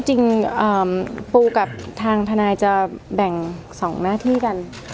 จริงปูกับทางทนายจะแบ่ง๒หน้าที่กัน